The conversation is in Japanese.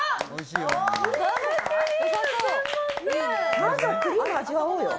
まずはクリーム、味わおうよ。